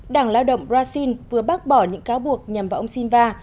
đảng lao động brazil vừa bác bỏ những cáo buộc nhằm vào ông shinva